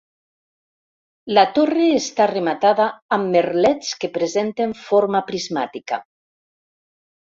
La torre està rematada amb merlets que presenten forma prismàtica.